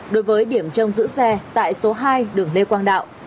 đối với điểm trông giữ xe tại số hai đường lê quang đạo